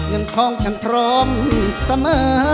เงินของฉันพร้อมเสมอ